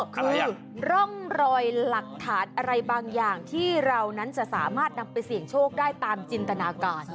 คือร่องรอยหลักฐานอะไรบางอย่างที่เรานั้นจะสามารถนำไปเสี่ยงโชคได้ตามจินตนาการ